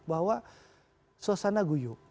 bahwa suasana guyuk